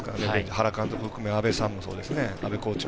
原監督含め阿部コーチもそうですね。